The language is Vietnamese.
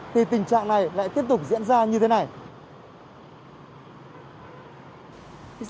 thì tình trạng này lại tiếp tục diễn ra như thế này